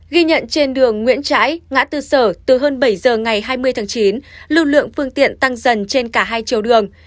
ghi nhận trên đường nguyễn trãi ngã tư sở từ hơn bảy giờ ngày hai mươi tháng chín lưu lượng phương tiện tăng dần trên cả hai chiều đường